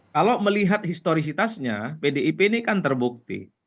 kalau melihat historisitasnya pdip ini kan terbukti